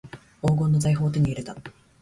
黄金の財宝を手に入れた